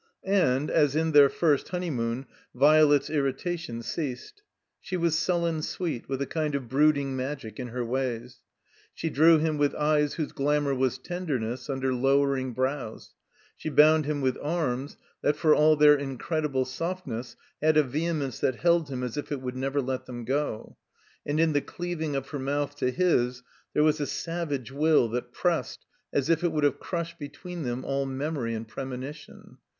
And, as in their first honeymoon, Violet's irrita tion ceased. She was sullen sweet, with a kind of brooding magic in her ways. She drew him with eyes whose glamour was tenderness tmder lowering brows; she botmd him with arms that, for all their incredible softness, had a vehemence that held him as if it would never let him go ; and in the deaving of her mouth to his there was a savage will that pressed as if it would have crushed between them all memory and premonition.